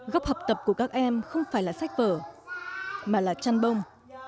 góc học tập của các em không phải là sách vở mà là chăn bông